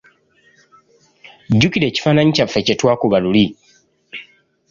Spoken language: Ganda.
Jjukira ekifaananyi kyaffe kye lwakuba luli.